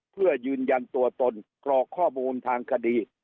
เพื่อยืนยันตัวตนกรอกข้อมูลทางคดี